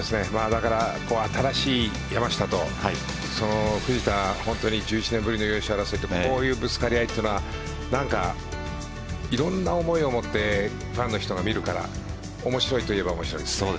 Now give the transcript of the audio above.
だから新しい山下と藤田、本当に１１年ぶりの優勝争いでこういうぶつかり合いというのはいろいろな思いを持ってファンの人が見るから面白いといえば面白いですね。